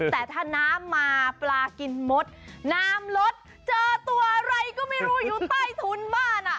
แต่ถ้าน้ำมาปลากินมดน้ำลดเจอตัวอะไรก็ไม่รู้อยู่ใต้ถุนบ้านอ่ะ